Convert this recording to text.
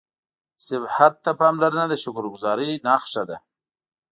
صحت ته پاملرنه د شکرګذارۍ نښه ده